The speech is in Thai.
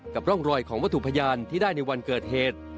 ร่องรอยของวัตถุพยานที่ได้ในวันเกิดเหตุ